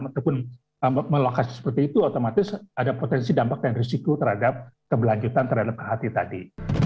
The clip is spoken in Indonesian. ataupun melokasi seperti itu otomatis ada potensi dampak dan risiko terhadap kebelanjutan terhadap kehati tadi